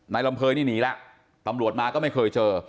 ลำเภยนี่หนีแล้วตำรวจมาก็ไม่เคยเจอ